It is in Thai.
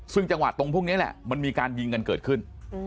ซึ่งจังหวะตรงพวกนี้แหละมันมีการยิงกันเกิดขึ้น